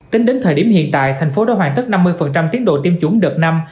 tính đến thời điểm hiện tại thành phố đã hoàn tất năm mươi tiến độ tiêm chủng đợt năm